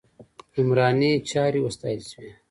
عمراني چارې وستایل شوې.